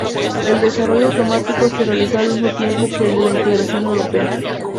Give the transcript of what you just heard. El desarrollo autonómico se realizó al mismo tiempo que el de la integración europea.